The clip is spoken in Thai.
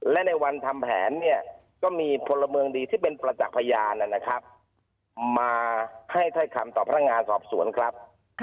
และในวันทำแผนเนี่ยก็มีพลเมืองดีที่เป็นประจักษ์พยานนะครับมาให้ถ้อยคำต่อพนักงานสอบสวนครับ